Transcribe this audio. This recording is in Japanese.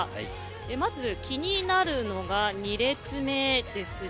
まず気になるのが２列目ですね。